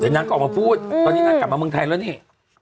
นางก็ออกมาพูดตอนนี้นางกลับมาเมืองไทยแล้วนี่